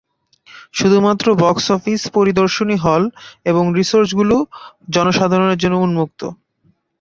শুধুমাত্র box office, প্রদর্শনী hall এবং রিসোর্স কেন্দ্র গুলো জনসাধারণের জন্য উন্মুক্ত।